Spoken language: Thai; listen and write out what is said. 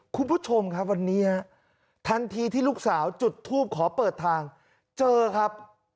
คุณผู้ชมครับวันนี้ฮะทันทีที่ลูกสาวจุดทูปขอเปิดทางเจอครับ